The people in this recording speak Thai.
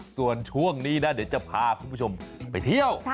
ส่วนช่วงนี้นะเดี๋ยวจะพาคุณผู้ชมไปเที่ยว